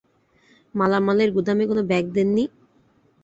মালামালের গুদামে কোনো ব্যাগ দেননি?